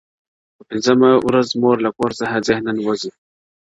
په پنځمه ورځ مور له کور څخه ذهناً وځي,